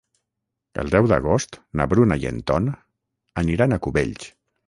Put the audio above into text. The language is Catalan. El deu d'agost na Bruna i en Ton aniran a Cubells.